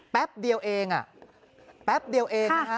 แป๊บเดียวเองแป๊บเดียวเองนะฮะ